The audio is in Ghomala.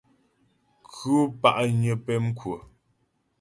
Khʉ̂ pa'nyə pɛmkwə.